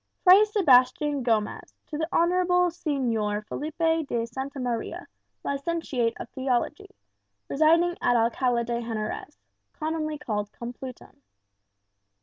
"Fray Sebastian Gomez, to the Honourable Señor Felipe de Santa Maria, Licentiate of Theology, residing at Alcala de Henarez, commonly called Complutum.